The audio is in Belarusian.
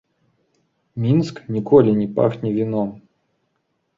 Мінск ніколі не пахне віном.